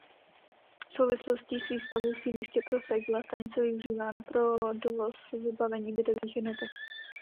V souvislostí s výstavbou sídliště Prosek byla stanice využívána pro dovoz vybavení bytových jednotek.